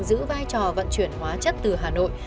giữ vai trò vận chuyển hóa chất từ hà nội